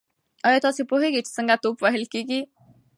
ایا تاسي پوهېږئ چې څنګه توپ وهل کیږي؟